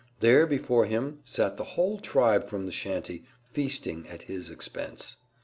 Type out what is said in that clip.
There before him sat the whole tribe from the shanty, feasting at his expense.